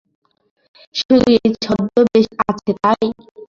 শুধু এই ছদ্মবেশ আছে তাই?